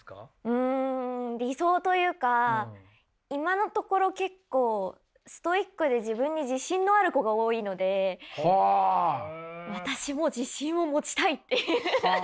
うん理想というか今のところ結構ストイックで自分に自信のある子が多いので私も自信を持ちたいっていう。